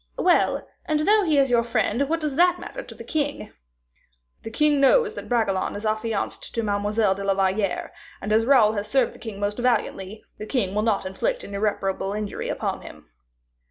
"Well, and though he is your friend, what does that matter to the king?" "The king knows that Bragelonne is affianced to Mademoiselle de la Valliere; and as Raoul has served the king most valiantly, the king will not inflict an irreparable injury upon him."